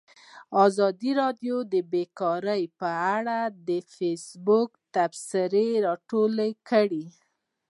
ازادي راډیو د بیکاري په اړه د فیسبوک تبصرې راټولې کړي.